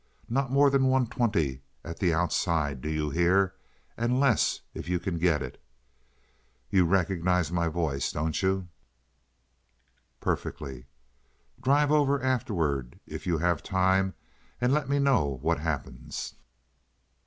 Not more than one twenty at the outside, do you hear? and less if you can get it. You recognize my voice, do you?" "Perfectly." "Drive over afterward if you have time and let me know what happens."